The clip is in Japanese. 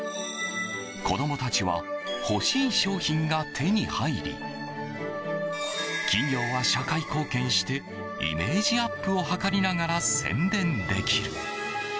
子供たちは欲しい商品が手に入り企業は社会貢献してイメージアップを図りながら宣伝できる。